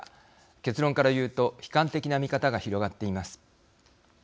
結論から言うと悲観的な見方が広がっています。